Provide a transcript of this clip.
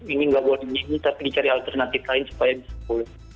ingin gak buat gini gini tapi dicari alternatif lain supaya bisa pulang